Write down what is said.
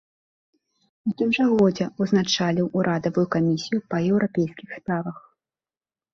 У тым жа годзе узначаліў урадавую камісію па еўрапейскіх справах.